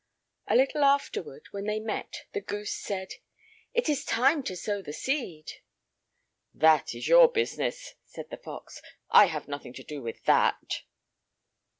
A little afterward, when they met, the goose said: "It is time to sow the seed." "That is your business," said the fox. "I have nothing to do with that."